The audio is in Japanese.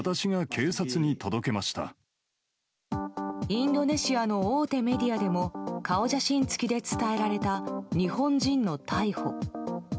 インドネシアの大手メディアでも顔写真付きで伝えられた日本人の逮捕。